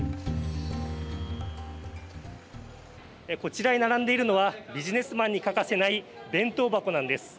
こちらに並んでいるのはビジネスマンに欠かせない弁当箱なんです。